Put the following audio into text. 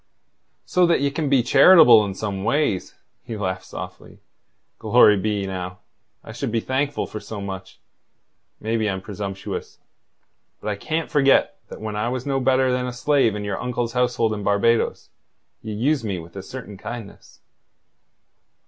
"So that ye can be charitable in some ways!" He laughed softly. "Glory be, now, I should be thankful for so much. Maybe I'm presumptuous. But I can't forget that when I was no better than a slave in your uncle's household in Barbados, ye used me with a certain kindness."